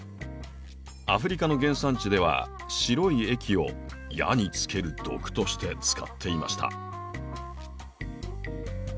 アフリカの原産地では白い液を矢につける毒として使っていました。